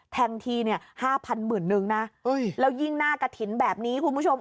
แทงทีเนี่ย๕๐๐๐นึงนะแล้วยิ่งหน้ากระถินแบบนี้คุณผู้ชม